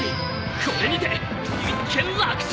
これにて一件落着！